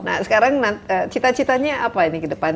nah sekarang cita citanya apa ini ke depan